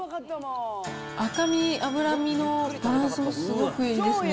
赤身、脂身のバランスもすごくいいですね。